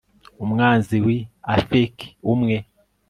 umwami w'i afeki, umwe